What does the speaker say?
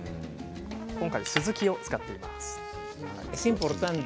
今回はスズキを使っています。